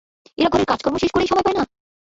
এরা ঘরের কাজকর্ম শেষ করেই সময় পায় না!